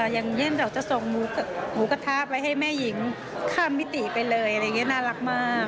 อย่างเช่นเราจะส่งหมูกระทะไปให้แม่หญิงข้ามมิติไปเลยอะไรอย่างนี้น่ารักมาก